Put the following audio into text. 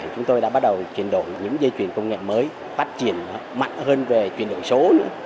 chúng tôi đã bắt đầu chuyển đổi những dây chuyền công nghệ mới phát triển mạnh hơn về chuyển đổi số nữa